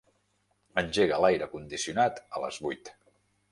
Engega l'aire condicionat a les vuit.